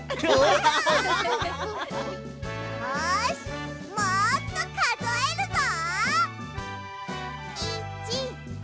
よしもっとかぞえるぞ！